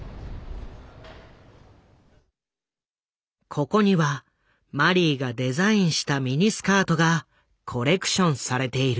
ここにはマリーがデザインしたミニスカートがコレクションされている。